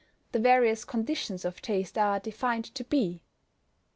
The various conditions of taste are defined to be: 1.